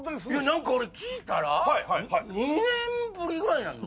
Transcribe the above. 何か俺聞いたら２年ぶりぐらいなんの？